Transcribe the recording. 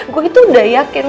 gue itu udah yakin